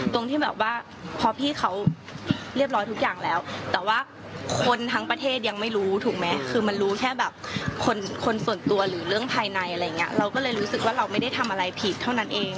ตรงที่แบบว่าพอพี่เขาเรียบร้อยทุกอย่างแล้วแต่ว่าคนทั้งประเทศยังไม่รู้ถูกไหมคือมันรู้แค่แบบคนส่วนตัวหรือเรื่องภายในอะไรอย่างเงี้ยเราก็เลยรู้สึกว่าเราไม่ได้ทำอะไรผิดเท่านั้นเอง